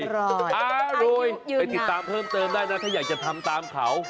อร่อยไปติดตามเพิ่มเติมได้นะถ้าอยากจะทำตามเขา